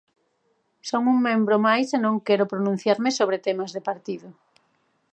Son un membro máis e non quero pronunciarme sobre temas de partido.